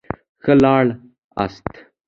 ښه ولاړاست.